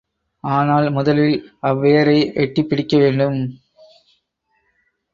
ஆனால், முதலில் அவ்வேரை எட்டிப் பிடிக்கவேண்டும்.